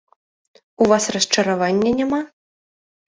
У вас расчаравання няма?